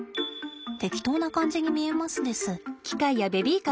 適当な感じに見えますです。